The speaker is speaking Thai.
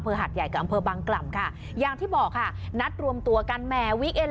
หาดใหญ่กับอำเภอบางกล่ำค่ะอย่างที่บอกค่ะนัดรวมตัวกันแหมวิกเอ็น